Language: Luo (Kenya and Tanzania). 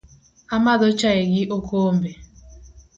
Amadho chai gi okombe